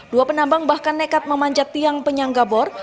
dua penambang bahkan nekat memanjat tiang penyanggabor